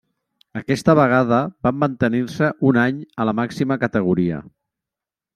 Aquesta vegada van mantenir-se un any a la màxima categoria.